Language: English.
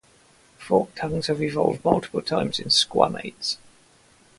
Forked tongues have evolved multiple times in Squamates.